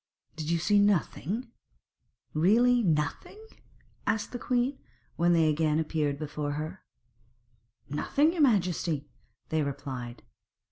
'Did you see nothing, really nothing?' asked the queen, when they again appeared before her. 'Nothing, your majesty,' they replied.